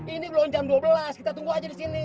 ini belum jam dua belas kita tunggu aja disini